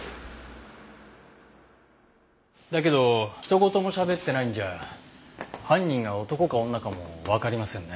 だけどひと言もしゃべってないんじゃ犯人が男か女かもわかりませんね。